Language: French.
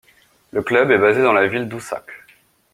Le club est basé dans la ville d'Uşak.